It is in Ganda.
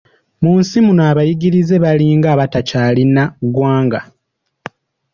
Mu nsi muno abayigirize balinga abatakyalina ggwanga.